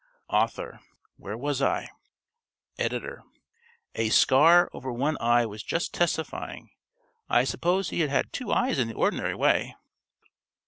_ ~Author.~ Where was I? ~Editor.~ _A scar over one eye was just testifying I suppose he had two eyes in the ordinary way?